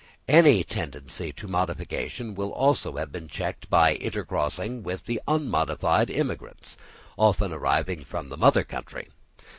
Any tendency to modification will also have been checked by intercrossing with the unmodified immigrants, often arriving from the mother country.